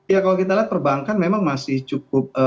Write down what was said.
ya kalau kita lihat perbankan memang masih cukup